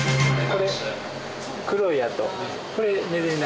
これ。